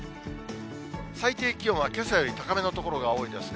最低気温はけさより高めの所が多いですね。